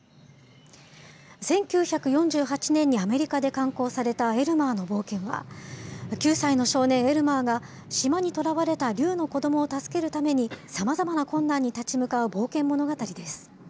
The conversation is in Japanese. １９４８年にアメリカで刊行されたエルマーのぼうけんは、９歳の少年、エルマーが、島にとらわれたりゅうの子どもを助けるためにさまざまな困難に立ち向かう冒険物語です。